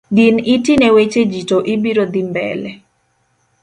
Din iti ne wecheji to ibiro dhimbele.